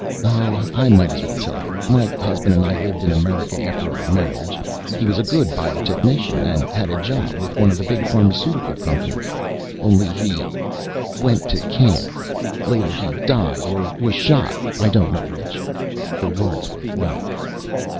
"Oh, I might as well tell you. My husband and I lived in America after our marriage. He was a good biotechnician and had a job with one of the big pharmaceutical companies. Only he went to camp. Later he died or was shot, I don't know which." Her words were flat.